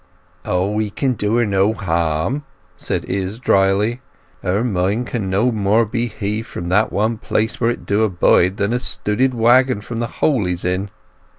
"Oh—he can do her no harm," said Izz drily. "Her mind can no more be heaved from that one place where it do bide than a stooded waggon from the hole he's in.